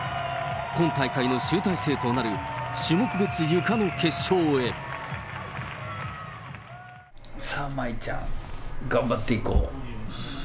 今大会の集大成となる、さあ、茉愛ちゃん、頑張っていこう。